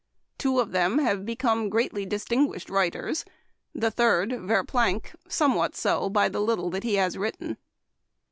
Two of them have become greatly distinguished as writers ; the third (Ver planck) somewhat so by the little that he has written.